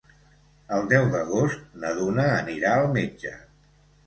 El deu d'agost na Duna anirà al metge.